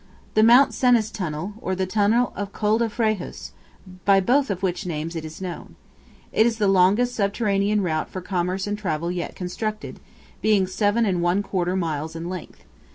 The Mt. Cenis Tunnel, or the tunnel of Col de Frejus, by both of which names it is known. It is the longest subterranean route for commerce and travel yet constructed, being 7 1/4 miles in length.